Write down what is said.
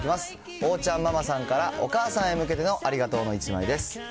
桜ちゃんママさんから、お母さんへ向けてのありがとうの１枚です。